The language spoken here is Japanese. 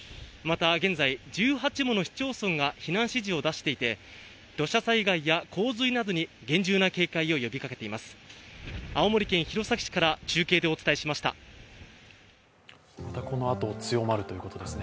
現在１８もの市町村が避難指示を出していて土砂災害や洪水などに厳重な警戒を呼びかけています。